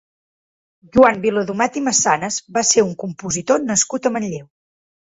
Joan Viladomat i Massanas va ser un compositor nascut a Manlleu.